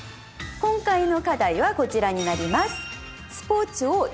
今回の課題はこちらになります。